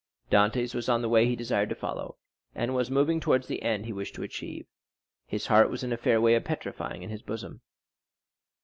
Dantès was on the way he desired to follow, and was moving towards the end he wished to achieve; his heart was in a fair way of petrifying in his bosom.